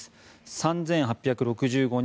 ３８６５人。